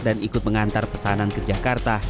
dan ikut mengantar pesanan ke jakarta